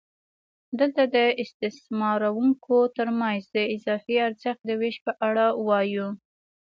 دلته د استثماروونکو ترمنځ د اضافي ارزښت د وېش په اړه وایو